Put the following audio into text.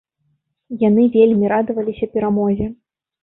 Яны вельмі радаваліся перамозе.